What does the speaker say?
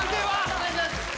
お願いします